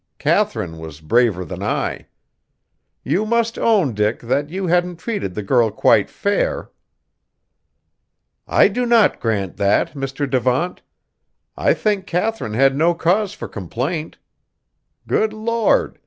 Katharine was braver than I. You must own, Dick, that you hadn't treated the girl quite fair." "I do not grant that, Mr. Devant. I think Katharine had no cause for complaint. Good Lord!